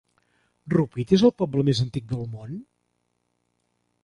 Rupit és el poble més antic del món?